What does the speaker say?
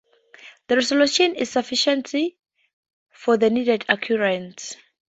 The resolution is sufficient for the needed accuracy.